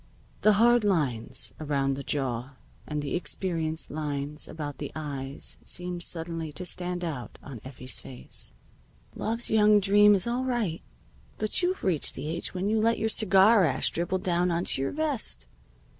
The hard lines around the jaw and the experienced lines about the eyes seemed suddenly to stand out on Effie's face. "Love's young dream is all right. But you've reached the age when you let your cigar ash dribble down onto your vest.